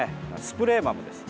スプレーマムです。